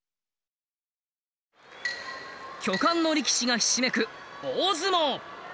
巨漢の力士がひしめく大相撲。